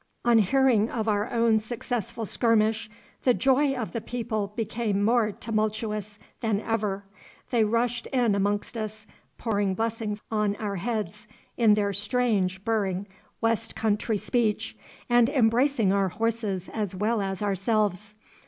On hearing of our own successful skirmish the joy of the people became more tumultuous than ever. They rushed in amongst us, pouring blessings on our heads, in their strange burring west country speech, and embracing our horses as well as ourselves.